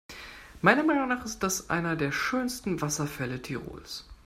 Meiner Meinung nach ist das einer der schönsten Wasserfälle Tirols.